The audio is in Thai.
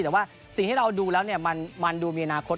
แต่ว่าสิ่งที่เราดูแล้วมันดูมีอนาคต